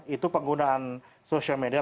itu penggunaan sosial media